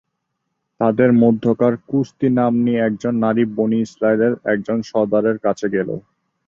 তাদের মধ্যকার কুস্তি নাম্নী একজন নারী বনী ইসরাঈলের একজন সরদারের কাছে গেল।